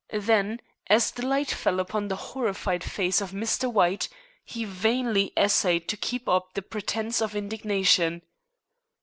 Then, as the light fell upon the horrified face of Mr. White, he vainly essayed to keep up the pretence of indignation.